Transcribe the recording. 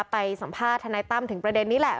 ไปสัมภาษณ์ทนายตั้มถึงประเด็นนี้แหละ